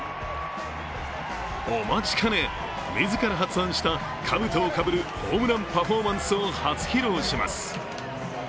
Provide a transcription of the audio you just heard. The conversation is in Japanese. お待ちかね、自ら発案したかぶとをかぶるホームランパフォーマンスを初披露します。